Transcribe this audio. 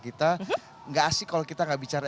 kita gak asyik kalau kita gak bicara